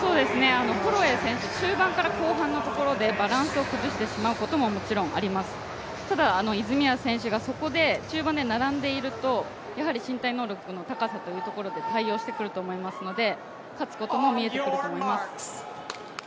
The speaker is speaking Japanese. ホロウェイ選手中盤から後半のところでバランスを崩してしまうことももちろんあります、ただ泉谷選手がそこで、中盤で並んでいるとやはり身体能力の高さというところで対応してくると思いますので勝つことも見えてくると思います。